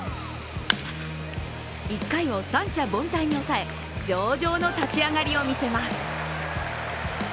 １回を三者凡退に抑え、上々の立ち上がりを見せます。